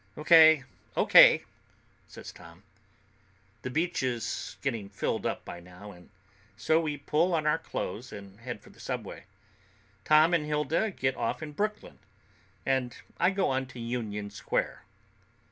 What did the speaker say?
"O.K., O.K.," says Tom. The beach is getting filled up by now, so we pull on our clothes and head for the subway. Tom and Hilda get off in Brooklyn, and I go on to Union Square.